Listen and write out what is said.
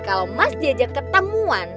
kalau mas diajak ketemuan